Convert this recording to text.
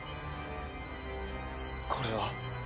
これは？